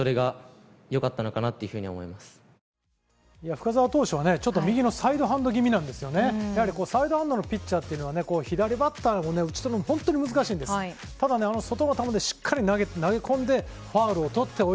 深沢投手は右のサイドハンドぎみでサイドハンドのピッチャーは左バッターを打ち取るのが本当に難しいんですが外側をしっかり投げ込んでファウルを取る。